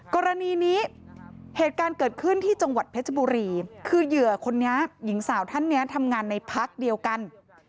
กรณีนี้เหตุการณ์เกิดขึ้นที่จังหวัดเพชรบุรีคือเหยื่อคนนี้หญิงสาวท่านนี้ทำงานในพักเดียวกัน